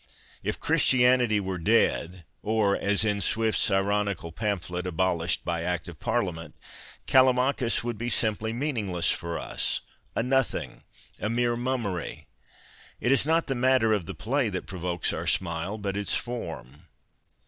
If Christianity were dead (or, as in Swift's ironical pamphlet, abolished by Act of Parliament) Callimachus would be simply mean ingless for us, a nothing, mere mummery. It is not the matter of the play that provokes our smile ; but its form.